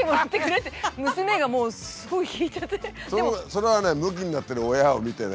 それはねむきになってる親を見てね